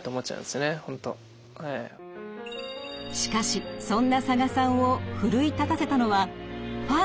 しかしそんな佐賀さんを奮い立たせたのはファンの存在でした。